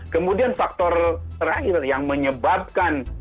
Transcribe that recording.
kemudian faktor terakhir yang menyebabkan